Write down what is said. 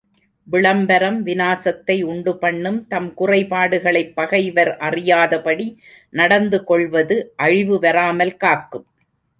விளம்பரம் விநாசத்தை உண்டுபண்ணும் தம் குறைபாடுகளைப் பகைவர் அறியாதபடி நடந்துகொள்வது அழிவு வாராமல் காக்கும்.